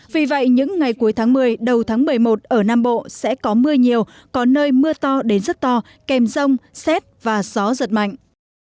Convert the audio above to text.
vì vậy những ngày cuối tháng một mươi đầu tháng một mươi một ở nam bộ sẽ có mưa nhiều có nơi mưa to đến rất to kèm rông xét và gió giật mạnh